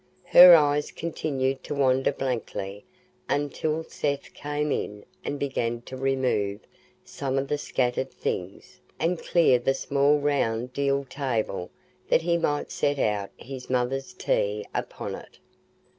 Her eyes continued to wander blankly until Seth came in and began to remove some of the scattered things, and clear the small round deal table that he might set out his mother's tea upon it.